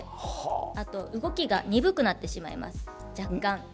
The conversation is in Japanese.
あと、動きが鈍くなってしまいます、若干。